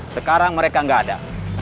sekarang mereka enggak ada